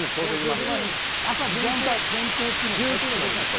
朝限定っていうの絶対でかいです。